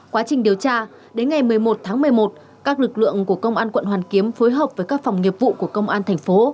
quá trình điều tra đến ngày một mươi một tháng một mươi một các lực lượng của công an quận hoàn kiếm phối hợp với các phòng nghiệp vụ của công an thành phố